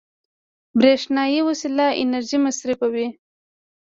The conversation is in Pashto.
برېښنایي وسایل انرژي مصرفوي.